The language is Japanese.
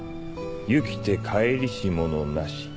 征きて帰りしものなし。